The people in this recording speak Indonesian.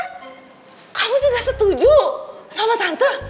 kamu juga setuju sama tante